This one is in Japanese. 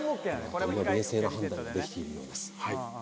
冷静な判断ができているようです。